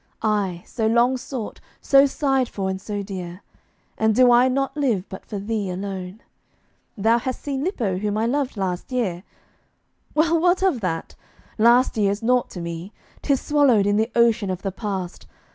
I, so long sought, so sighed for and so dear? And do I not live but for thee alone? "Thou hast seen Lippo, whom I loved last year!" Well, what of that? Last year is naught to me 'Tis swallowed in the ocean of the past.